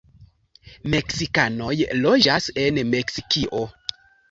Meksikanoj loĝas en Meksikio.